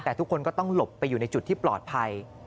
แต่ทุกคนก็ต้องหลบไปอยู่ในจุดที่ปลอดภัย